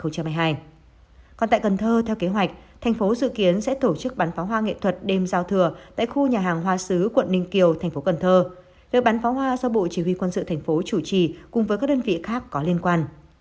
còn tại cần thơ theo kế hoạch thành phố dự kiến sẽ tổ chức bắn pháo hoa nghệ thuật đêm giao thừa tại khu nhà hàng hoa sứ quận ninh kiều thành phố cần thơ về bán pháo hoa do bộ chỉ huy quân sự thành phố chủ trì cùng với các đơn vị khác có liên quan